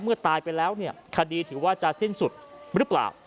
ตายไปแล้วเนี่ยคดีถือว่าจะสิ้นสุดหรือเปล่า